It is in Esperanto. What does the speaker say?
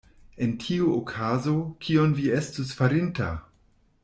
En tiu okazo, kion vi estus farinta?